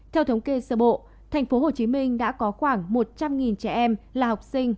theo thống kê sơ bộ thành phố hồ chí minh đã có khoảng một trăm linh trẻ em là học sinh